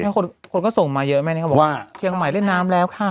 คนคนก็ส่งมาเยอะไหมเนี้ยเขาบอกว่าเครื่องใหม่เล่นน้ำแล้วค่ะ